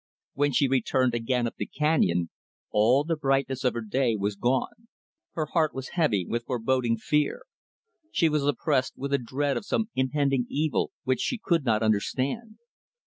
When she returned again up the canyon, all the brightness of her day was gone. Her heart was heavy with foreboding fear. She was oppressed with a dread of some impending evil which she could not understand.